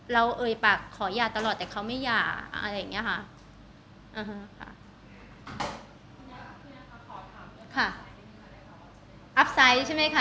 เราเอ่ยปากขอหย่าตลอดแต่เขาไม่หย่าอะไรอย่างเงี้ยค่ะอื้อฮือค่ะ